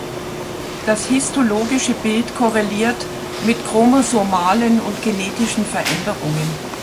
Das histologische Bild korreliert mit chromosomalen und genetischen Veränderungen.